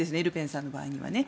ルペンさんの場合には。